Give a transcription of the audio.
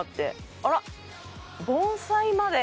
あらっ盆栽まで。